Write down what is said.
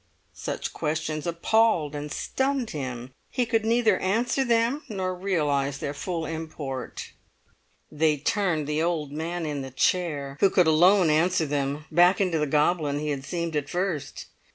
Such questions appalled and stunned him; he could neither answer them nor realise their full import. They turned the old man in the chair, who alone could answer them, back into the goblin he had seemed at first.